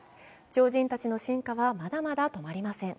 超人たちの進化は、まだまだ止まりません。